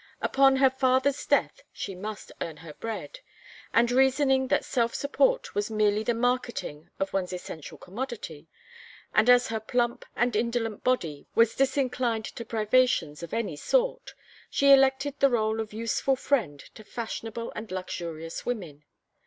Upon her father's death she must earn her bread, and, reasoning that self support was merely the marketing of one's essential commodity, and as her plump and indolent body was disinclined to privations of any sort, she elected the rôle of useful friend to fashionable and luxurious women.